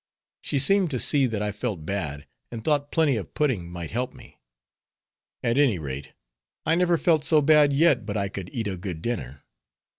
She seemed to see that I felt bad, and thought plenty of pudding might help me. At any rate, I never felt so bad yet but I could eat a good dinner.